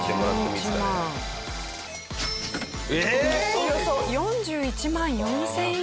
およそ４１万４０００円。